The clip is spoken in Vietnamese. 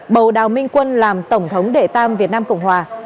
bầu đào minh quân làm tổng thống đệ tam việt nam cộng hòa